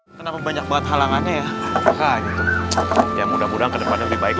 kenapa banyak banget halangannya ya apakah gitu ya mudah mudahan kedepannya lebih baik